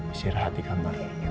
istirahat di kamar